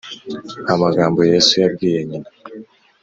amagambo Yesu yabwiye nyina